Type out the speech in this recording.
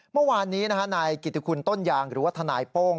เมื่อวานนี้นายกิติคุณต้นยางหรือว่าทนายโป้ง